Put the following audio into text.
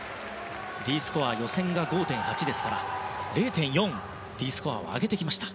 Ｄスコア、予選が５．８ですから０．４も上げてきました。